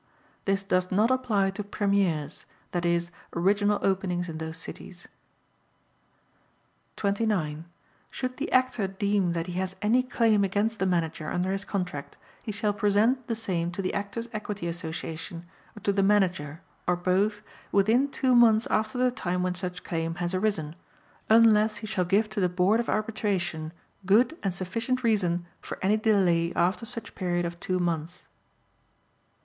This does not apply to premieres, i.e., original openings in those cities. 29. Should the Actor deem that he has any claim against the Manager under his contract he shall present the same to the Actors' Equity Association or to the Manager or both within two months after the time when such claim has arisen, unless he shall give to the Board of Arbitration good and sufficient reason for any delay after such period of two months.